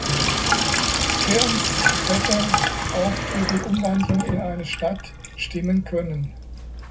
Kearns hätte auch für die Umwandlung in eine Stadt stimmen können.